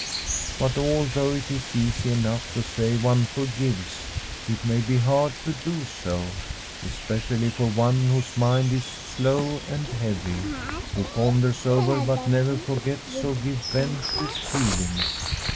But although it is easy enough to say one for gives, it may be hard to do so, especially for one whose mind is slow and heavy, who ponders over but never forgets or gives vent to his feelings.